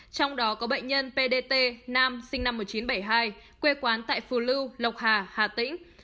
trong đó có bệnh nhân pdt nam sinh năm một nghìn chín trăm bảy mươi hai quê quán tại phù lưu lộc hà hà tĩnh